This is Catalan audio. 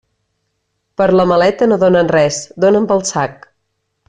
Per la maleta no donen res, donen pel sac.